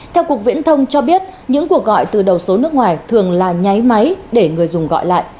theo cục viễn thông cho biết những cuộc gọi từ đầu số nước ngoài thường là nháy máy để người dùng gọi lại